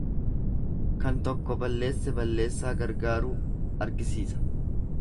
Kan tokko balleesse balleessaa gargaaruu argisiisa.